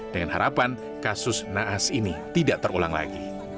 dengan harapan kasus naas ini tidak terulang lagi